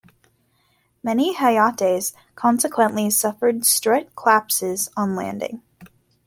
Many "Hayates" consequently suffered strut collapses on landing.